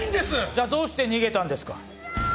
じゃあどうして逃げたんですか？